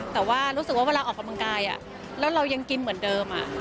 แต่ว่ารู้สึกว่าเวลาออกกำลังกายแล้วเรายังกินเหมือนเดิม